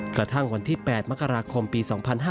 กระทั่งวันที่๘มกราคมปี๒๕๕๙